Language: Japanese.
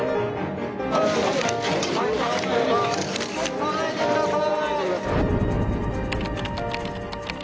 ⁉・押さないでください！